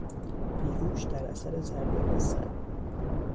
بیهوش در اثر ضربه به سر